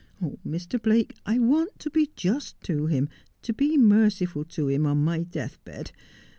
Oh ! Mr. Blake, I want to be just to him, to be merciful to him, on my deathbed.